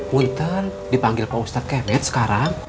munter dipanggil pak ustadz kemet sekarang